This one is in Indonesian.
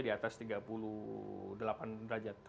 diatas tiga puluh delapan derajat